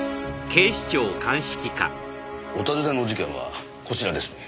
お尋ねの事件はこちらですね。